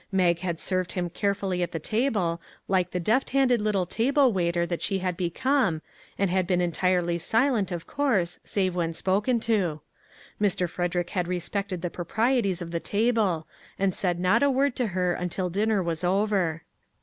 Mag had served him carefully at the table like the deft handed little table waiter that she had become, and had been entirely silent of course, save when spoken to. Mr. Frederick had respected the proprieties of the table and said not a word to her until dinner was over.